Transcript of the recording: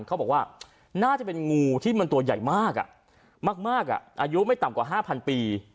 เขาบอกว่าน่าจะเป็นงูที่มันตัวใหญ่มากมากอายุไม่ต่ำกว่า๕๐๐ปี